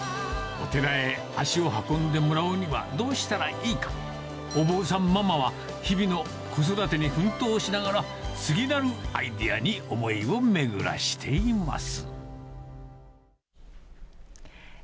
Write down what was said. どうしたらいいか、お坊さんママは、日々の子育てに奮闘しながら、次なるアイデアに思いを巡らせています。